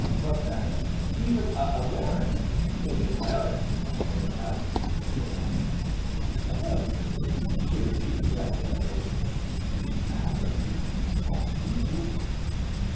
but then even a American may get married. Miss Anthea, mam!" said Adam. "Married!" she repeated, glancing up very quickly, "Adam what do you mean?"